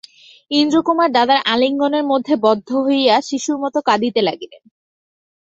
ইন্দ্রকুমার দাদার আলিঙ্গনের মধ্যে বদ্ধ হইয়া শিশুর মতো কাঁদিতে লাগিলেন।